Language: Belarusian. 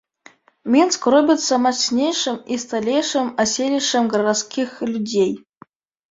Мінск робіцца мацнейшым і сталейшым аселішчам гарадскіх людзей.